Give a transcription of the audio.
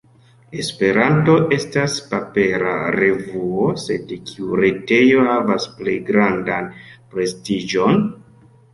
Esperanto estas papera revuo, sed kiu retejo havas plej grandan prestiĝon?